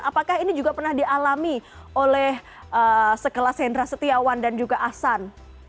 apakah ini juga pernah dialami oleh sekelas hendra setiawan dan juga ahsan